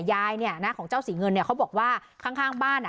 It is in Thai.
ยายเนี่ยนะของเจ้าสีเงินเนี่ยเขาบอกว่าข้างข้างบ้านอ่ะ